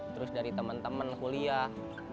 terus dari teman teman kuliah